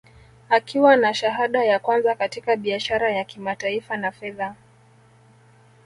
Akiwa na shahada ya kwanza katika biashara ya kimataifa na fedha